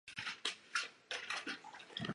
但一年后便因经济问题被迫回国。